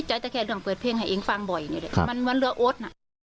แต่แค่อะไรเปิดเพลงให้เองฟังบ่อยมันเหลือโอน